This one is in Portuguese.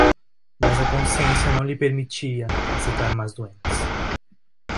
mas a consciência não lhe permitia aceitar mais doentes.